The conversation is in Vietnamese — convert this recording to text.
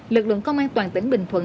lực lượng công an toàn tỉnh bình thuận